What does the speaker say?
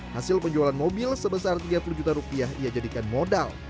hasil penjualan mobil sebesar tiga puluh juta rupiah ia jadikan modal